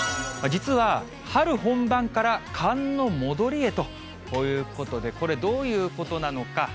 実は、春本番から寒の戻りへということで、これどういうことなのか。